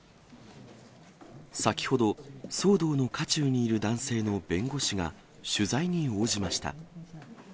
先ほど、騒動の渦中にいる男性の弁護士が、取材に応じました。